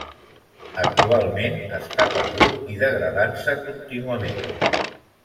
Actualment està perdut i degradant-se contínuament.